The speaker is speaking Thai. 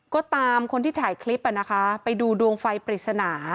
ก็ตามคนที่ถ่ายคลิปไปดูดวงไฟปริศนา